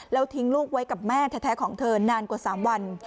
แล้วทิ้งลูกไว้กับแม่แท้ของเธอนานกว่า๓วัน